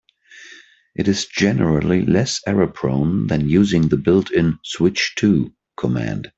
It is generally less error-prone than using the built-in "switch to" command.